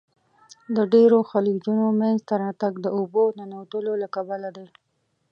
د ډیرو خلیجونو منځته راتګ د اوبو ننوتلو له کبله دی.